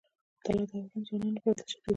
طلا د افغان ځوانانو لپاره دلچسپي لري.